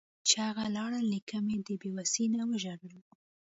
چې اغه لاړ نيکه مې د بې وسۍ نه وژړل.